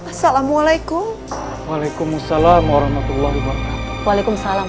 panjangnya assalamualaikum waalaikumsalam warahmatullah wabarakatuh waalaikumsalam